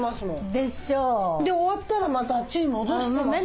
でしょ？で終わったらまたあっちに戻してますもん。